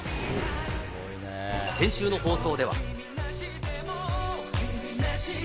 先週の放送では。